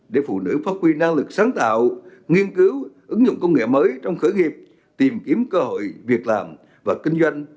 phát biểu phát quy năng lực sáng tạo nghiên cứu ứng dụng công nghệ mới trong khởi nghiệp tìm kiếm cơ hội việc làm và kinh doanh